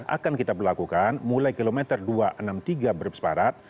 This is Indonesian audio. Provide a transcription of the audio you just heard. akan kita berlakukan mulai kilometer dua ratus enam puluh tiga berpesparat